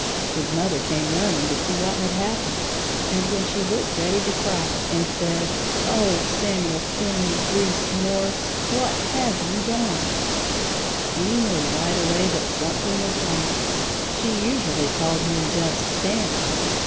His mother came running to see what had happened and when she looked ready to cry and said: "Oh, Samuel Finley Breese Morse what have you done?" he knew right away that something was wrong. She usually called him just Sammy.